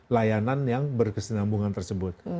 layanan yang berkesenambungan tersebut